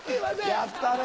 やったね！